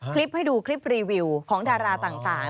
คลิปให้ดูคลิปรีวิวของดาราต่าง